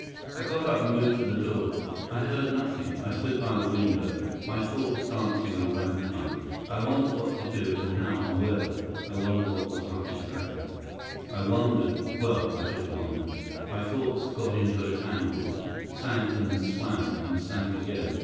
I got up, and moved to the door. I heard nothing. I stood by the window, my thoughts dancing a ragtime. I wondered what to do, and how, and whether. I wondered what was up exactly. I wondered ... well, I just wondered. My thoughts got into a tangle, sank, and swam, and sank again.